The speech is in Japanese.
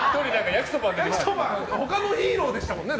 他のヒーローでしたよね。